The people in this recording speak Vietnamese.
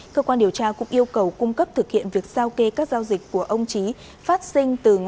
cơ quan điều tra cũng yêu cầu cung cấp thực hiện việc sao kê các giao dịch của ông trí